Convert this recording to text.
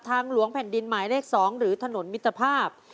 หลวงแผ่นดินหมายเลข๒หรือถนนมิตรภาพ